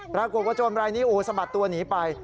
ปรากฏว่าโจรรายนี้สมัดตัวหนีไป